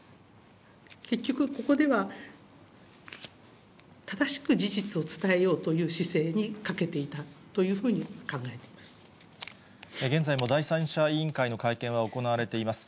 結局、ここでは正しく事実を伝えようという姿勢に欠けていたというふう現在も第三者委員会の会見は行われています。